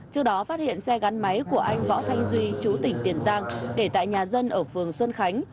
trước đó phát hiện xe gắn máy của anh võ thanh duy chú tỉnh tiền giang để tại nhà dân ở phường xuân khánh